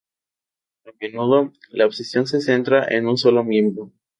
A menudo, la obsesión se centra en un solo miembro.